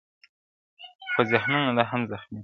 خو ذهنونه لا هم زخمي دي-